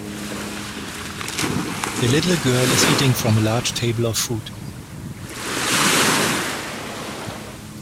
A little girl is eating from a large table of food.